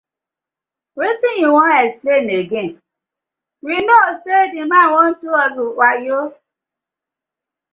Wetin yu won explain again, we kno sey the man wan do us wayo.